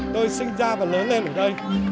tôi sinh ra và lớn lên ở đây